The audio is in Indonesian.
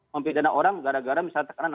mempilih dana orang gara gara misalnya tekanan